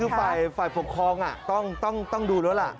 คือฝ่ายปกครองต้องดูแล้วล่ะ